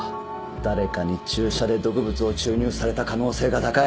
誰かに注射で毒物を注入された可能性が高い